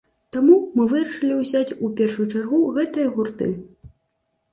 Таму мы вырашылі ўзяць у першую чаргу гэтыя гурты.